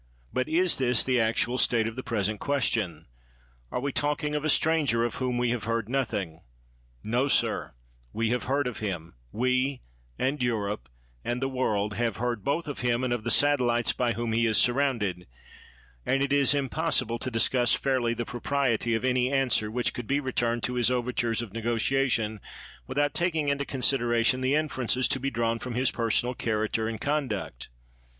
But is this the actual state of the present question ? Are we talking of a stranger of whom we have heard nothing? No, sir, we have heard of him; we, and Europe, and the world, have heard both of him and of the satellites by whom he is surrounded, and it is impossible to discuss fairly the proprietj' of any answer which could be returned to his overtures of negotiation with out taking into consideration the inferences to be drawn from his personal character and con duct.